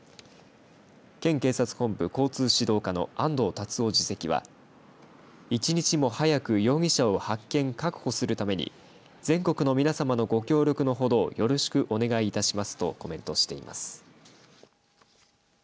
県警察本部交通指導課の安藤竜夫次席は１日も早く容疑者を発見・確保するために全国の皆さまのご協力のほどをよろしくお願いいたしますとコメントしています。